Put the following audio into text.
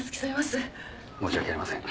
申し訳ありません。